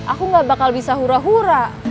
aku gak bakal bisa hura hura